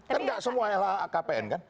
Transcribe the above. kan nggak semua lhkpn kan